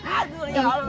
aduh ya allah